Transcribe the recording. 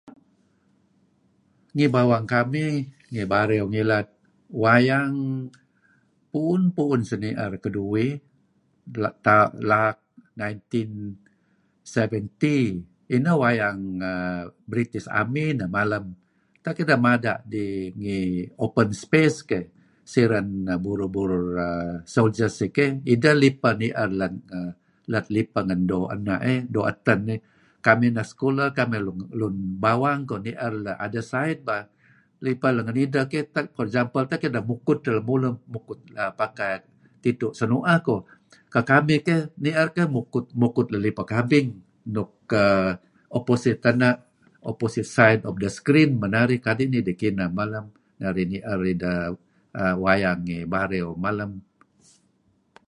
Ngih bawang kamih, ngih Bario ngilad, wayang... pu'un-pu'un seni'er keduih laak nineteen seventy. Ineh wayang err... British army ineh malem. Tak ideh mada' dih ngih open space keyh, siren burur-burur err soldiers iih keyh, ideh ni'er let lipa doo' ena' iih, kamih anak sekulah, kamih lun bawang ni'er let the other side beh. Lipa let ngen ideh keyh, for example, tak ideh mukut edteh lemulun, mukut pakai tidtu' senu'eh ko'. Kekamih keyh ni'er ideh mukut let lipa lipa kabing. Nuk ena', opposite side of the screen men narih kadi' nidih kineh malem. Narih ni'er wayang ngi Bario malem.